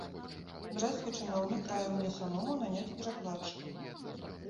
Брэсцкі чыноўнік раіў мне самому наняць перакладчыка.